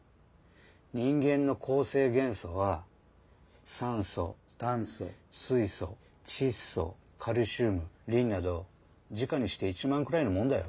人間の構成元素は酸素炭素水素窒素カルシウムリンなど時価にして１万くらいのもんだよ。